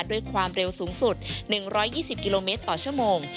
ด้วยความเร็วสูงสุด๑๒๐กิโลเมตรต่อชั่วโมง